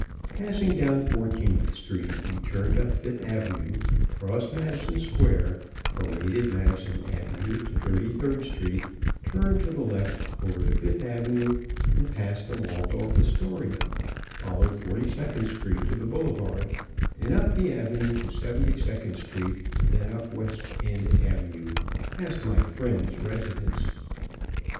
Passing down Fourteenth Street, we turned up Fifth Avenue, crossed Madison Square, paraded Madison Avenue to Thirty third Street, turned to the left over to Fifth Avenue and passed the Waldorf Astoria, followed Forty second Street to the Boulevard, and up the avenue to Seventy second Street, and then up West End Avenue, past my "friend's" residence.